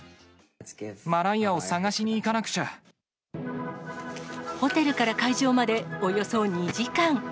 マライアを探しに行かなくちホテルから会場までおよそ２時間。